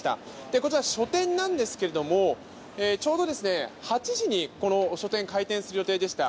こちら、書店なんですけれどもちょうど８時にこの書店、開店する予定でした。